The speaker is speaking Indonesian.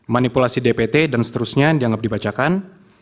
manipulasi dpt dan seterusnya dianggap dibacakan